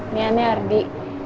nih aneh ardi